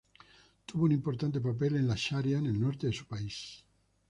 Tuvo un importante papel en la sharia en el norte de su país.